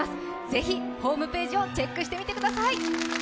ぜひホームページをチェックしてみてください。